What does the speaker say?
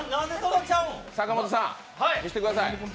阪本さん、見せてください。